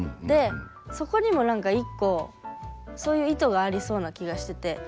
でそこにも何か一個そういう意図がありそうな気がしてて。